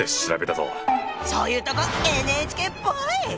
そういうとこＮＨＫっぽい。